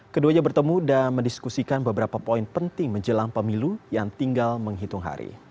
keduanya bertemu dan mendiskusikan beberapa poin penting menjelang pemilu yang tinggal menghitung hari